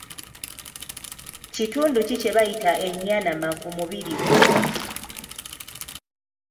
Kitundu ki kye bayita ennyanama ku mubiri gwo?